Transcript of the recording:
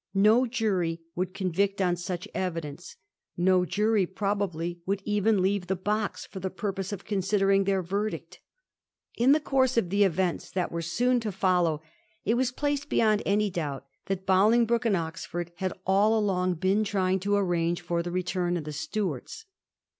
No jury would convict on such evi dence ; no jury probably would even leave the box for the purpose of considering their vei dict. In the course of the events that were soon to follow it was placed beyond any doubt that Bolingbroke and Oxford had all along been trying to arrange for the return of the Stuarts.